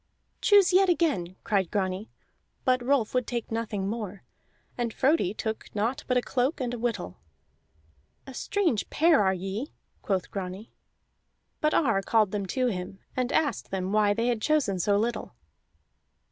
"Choose yet again!" cried Grani. But Rolf would take nothing more, and Frodi took naught but a cloak and a whittle. "A strange pair are ye," quoth Grani. But Ar called them to him and asked them why they had chosen so little.